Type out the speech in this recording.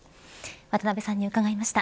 渡辺さんに伺いました。